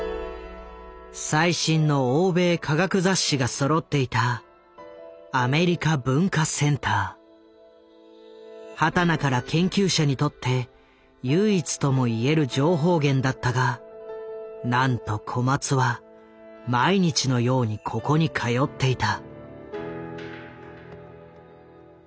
最新の欧米科学雑誌がそろっていた畑中ら研究者にとって唯一とも言える情報源だったがなんと小松は毎日のようにここに通っていた。